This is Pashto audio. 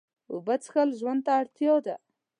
اوبه څښل ژوند ته اړتیا ده